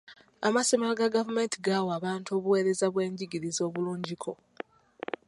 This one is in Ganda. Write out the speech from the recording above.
Amasomero ga gavumenti gawa abantu obuweereza bw'enjigiriza obulungiko.